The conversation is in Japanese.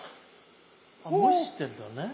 蒸してるんですよね。